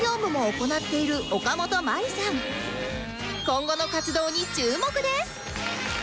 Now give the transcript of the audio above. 今後の活動に注目です